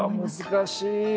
難しい。